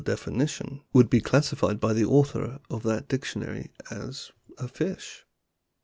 xiv INTR OD UCTOR Y definition would be classified by the author of that dictionary as a fish.